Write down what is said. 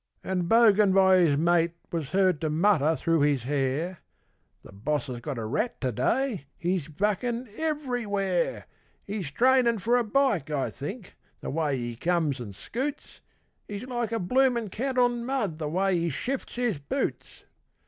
_ And Bogan by his mate was heard to mutter through his hair: 'The Boss has got a rat to day: he's buckin' everywhere He's trainin' for a bike, I think, the way he comes an' scoots, He's like a bloomin' cat on mud the way he shifts his boots.